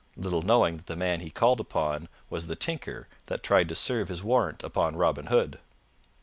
little knowing that the man he called upon was the Tinker that tried to serve his warrant upon Robin Hood.